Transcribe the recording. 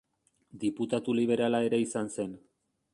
Diputatu liberala ere izan zen.